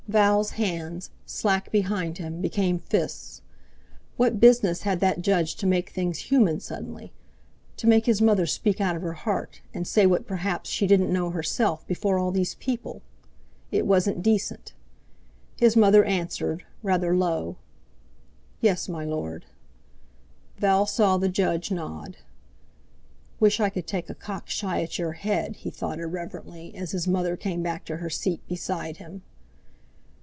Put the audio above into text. Val's hands, slack behind him, became fists. What business had that Judge to make things human suddenly? To make his mother speak out of her heart, and say what, perhaps, she didn't know herself, before all these people! It wasn't decent. His mother answered, rather low: "Yes, my Lord." Val saw the Judge nod. "Wish I could take a cock shy at your head!" he thought irreverently, as his mother came back to her seat beside him.